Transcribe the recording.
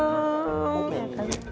enggak mau enggak mau